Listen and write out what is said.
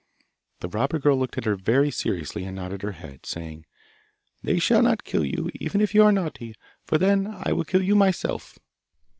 The robber girl looked at her very seriously, and nodded her head, saying, 'They shall not kill you, even if you are naughty, for then I will kill you myself!